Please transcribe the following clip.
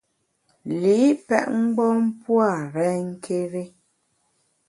Li’ pèt mgbom-a pua’ renké́ri.